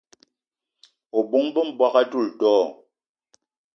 O bóng-be m'bogué a doula do?